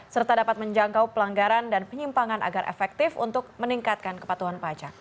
serta dapat menjangkau pelanggaran dan penyimpangan agar efektif untuk meningkatkan kepatuhan pajak